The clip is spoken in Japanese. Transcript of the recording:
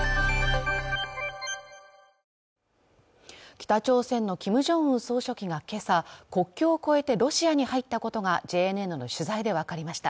北朝鮮のキム・ジョンウン総書記が今朝国境を越えてロシアに入ったことがＪＮＮの取材で分かりました